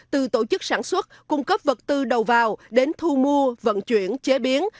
từ tổ chức sản xuất cung cấp vật tư đầu vào đến thu mua vận chuyển chế biến